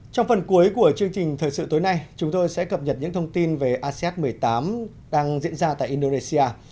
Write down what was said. trong phần cuối của chương trình thời sự tối nay chúng tôi sẽ cập nhật những thông tin về asean một mươi tám đang diễn ra tại indonesia